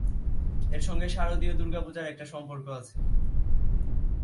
এর সঙ্গে শারদীয় দুর্গাপূজার একটা সম্পর্ক আছে।